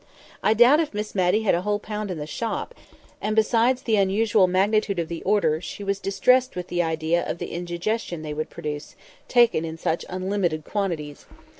I doubt if Miss Matty had a whole pound in the shop, and, besides the unusual magnitude of the order, she was distressed with the idea of the indigestion they would produce, taken in such unlimited quantities.